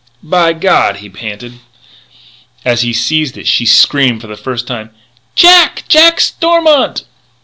"By God!" he panted. As he seized it she screamed for the first time: "Jack! Jack Stormont!"